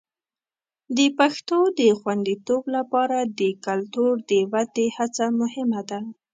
د پښتو د خوندیتوب لپاره د کلتور د ودې هڅه مهمه ده.